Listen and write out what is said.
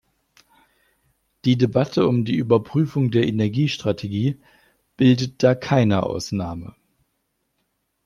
Die Debatte um die Überprüfung der Energiestrategie bildet da keine Ausnahme.